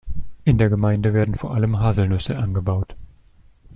In der Gemeinde werden vor allem Haselnüsse angebaut.